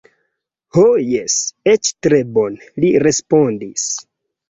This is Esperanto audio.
Ho jes, eĉ tre bone, li respondis.